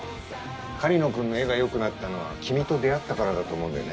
狩野くんの絵が良くなったのは君と出会ったからだと思うんだよね。